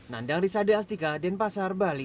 nandang risade astika denpasar bali